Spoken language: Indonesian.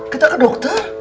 kita ke dokter